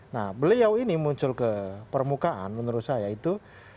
nah beliau ini muncul ke permukaan menurut saya itu